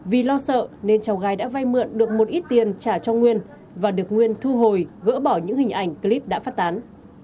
vì lo sợ nên cháu gái đã vay mượn được một ít tiền trả cho nguyên và được nguyên thu hồi gỡ bỏ những hình ảnh clip đã phát tán